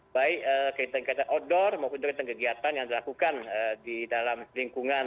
baik ketergiatan outdoor maupun ketergiatan yang dilakukan di dalam lingkungan